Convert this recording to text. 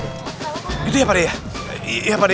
gitu ya pak dek